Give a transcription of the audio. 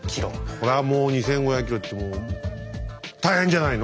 それはもう２，５００ｋｍって大変じゃないの？